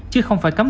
chứ không phải cấm